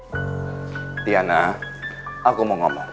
mas gunawan aku berharap bisa berjaga jaga dengan mas andika